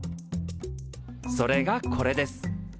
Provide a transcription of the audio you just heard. それがこれです。